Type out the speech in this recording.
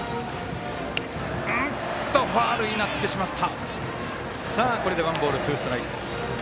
ファウルになってしまった。